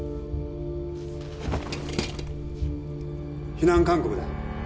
避難勧告だ！